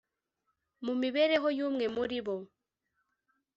Mu mibereho y umwe muri bo